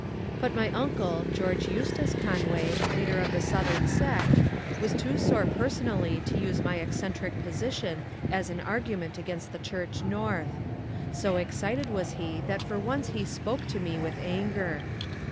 But my uncle. Judge Eustace Conway, leader of the Southern sect, was too sore personally to use my eccentric position as an argument against the Church North. So excited was he that for once he spoke to me with anger.